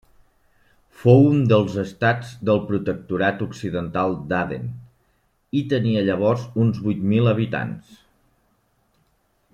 Fou un dels estats del Protectorat Occidental d'Aden, i tenia llavors uns vuit mil habitants.